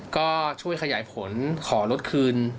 ก็ช่วยขยายผลขอรถคืน